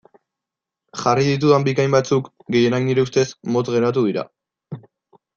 Jarri ditudan bikain batzuk, gehienak nire ustez, motz geratu dira.